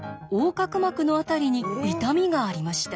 隔膜の辺りに痛みがありました。